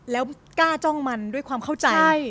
แล้วกล้าจ้องมันด้วยความเข้าใจ